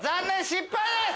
失敗です。